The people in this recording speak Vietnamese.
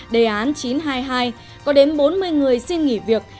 đề án chín trăm hai mươi hai có đến bốn mươi người xin nghỉ việc